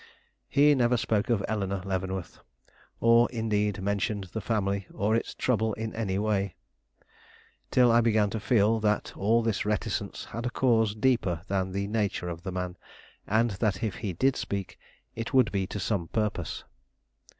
He never spoke of Eleanore Leavenworth or, indeed, mentioned the family or its trouble in any way; till I began to feel that all this reticence had a cause deeper than the nature of the man, and that if he did speak, it would be to some purpose.